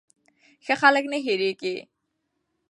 ښه خلک نه هېریږي.